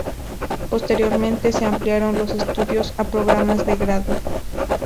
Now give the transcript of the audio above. Posteriormente se ampliaron los estudios a programas de grado.